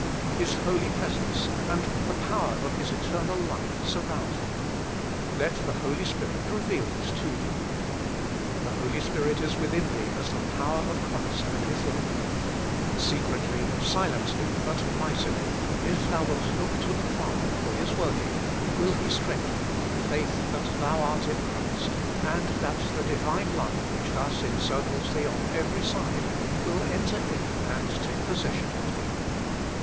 His Holy Presence, and the power of His eternal life, surround thee : let the Holy Spirit reveal this to thee. The Holy Spirit is within thee as the power of Christ and His life. Secretly, silently, but mightily, if thou wilt look to the Father for His working, will He strengthen the faith that thou art in Christ, and that the Divine life, which thus encircles thee on every side, will enter in and take possession of thee.